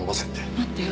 待ってよ